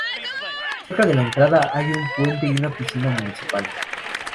Cerca de la entrada hay un puente y una piscina municipal.